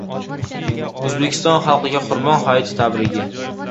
O‘zbekiston xalqiga Qurbon hayiti tabrigi